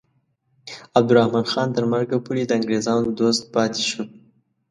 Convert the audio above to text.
عبدالرحمن خان تر مرګه پورې د انګریزانو دوست پاتې شو.